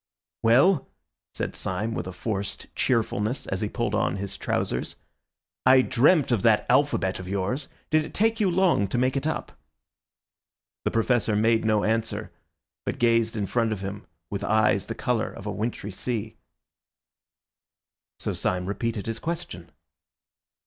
"Well," said Syme with a forced cheerfulness as he pulled on his trousers, "I dreamt of that alphabet of yours. Did it take you long to make it up?" The Professor made no answer, but gazed in front of him with eyes the colour of a wintry sea; so Syme repeated his question.